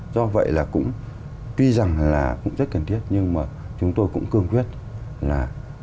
do vậy là cũng tuy rằng là cũng rất cần thiết nhưng mà chúng tôi cũng cương quyết là